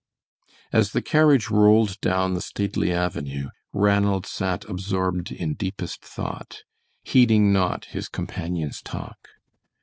As the carriage rolled down the stately avenue, Ranald sat absorbed in deepest thought, heeding not his companion's talk.